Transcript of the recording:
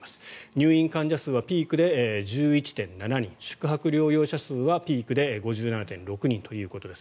入院患者数はピークで１１．７人宿泊療養者数はピークで５７．６人ということです。